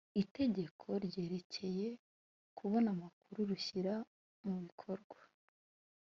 itegeko ryerekeye kubona amakuru rushyira mubikorwa